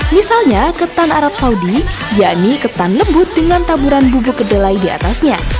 misalnya ketan arab saudi yakni ketan lembut dengan taburan bubuk kedelai di atasnya